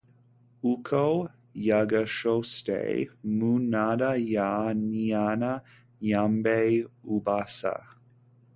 uko yagasohotse mu nda ya nyina yambaye ubusa